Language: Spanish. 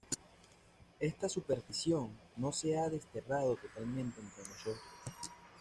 Esta superstición no se ha desterrado totalmente entre nosotros.